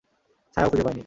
ছায়াও খুঁজে পাইনি।